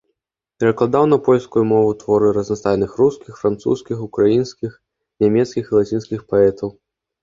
Перакладаў на польскую мову творы разнастайных рускіх, французскіх, украінскіх, нямецкіх і лацінскіх паэтаў.